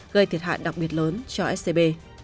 gây thiệt hại đặc biệt lớn cho scb